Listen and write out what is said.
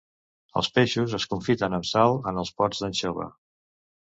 Els peixos es confiten amb sal en els pots d'anxova.